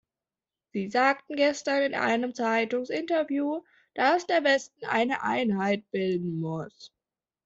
Sie sagten gestern in einem Zeitungsinterview, dass der Westen eine Einheit bilden muss.